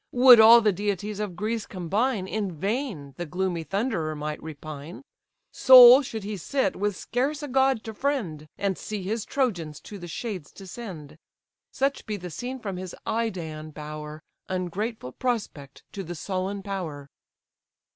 Would all the deities of Greece combine, In vain the gloomy Thunderer might repine: Sole should he sit, with scarce a god to friend, And see his Trojans to the shades descend: Such be the scene from his Idaean bower; Ungrateful prospect to the sullen power!"